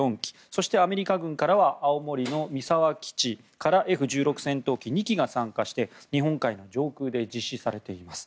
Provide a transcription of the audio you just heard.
そしてアメリカ軍からは青森の三沢基地からＦ１６戦闘機２機が参加して日本海の上空で実施されています。